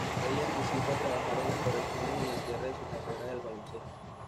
Ella anticipa trabajar en las correcciones en el cierre de su carrera del baloncesto.